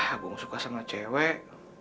agung suka sama cewek